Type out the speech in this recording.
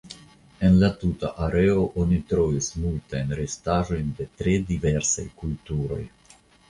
En la tuta areo oni trovis multajn restaĵojn de tre diversaj kulturoj.